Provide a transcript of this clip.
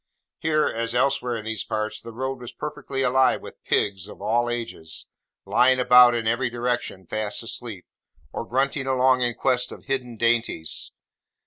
Here, as elsewhere in these parts, the road was perfectly alive with pigs of all ages; lying about in every direction, fast asleep.; or grunting along in quest of hidden dainties.